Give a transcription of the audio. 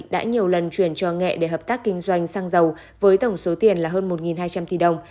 đã nhiều lần chuyển cho nghệ để hợp tác kinh doanh xăng dầu với tổng số tiền là hơn một hai trăm linh tỷ đồng